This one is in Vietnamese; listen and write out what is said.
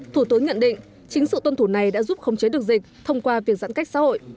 thủ tướng nhận định chính sự tuân thủ này đã giúp khống chế được dịch thông qua việc giãn cách xã hội